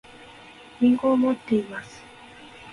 りんごを持っています